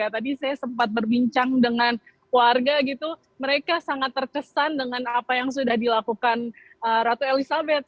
tadi saya sempat berbincang dengan warga gitu mereka sangat terkesan dengan apa yang sudah dilakukan ratu elizabeth